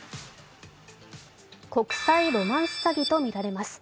国際ロマンス詐欺とみられます。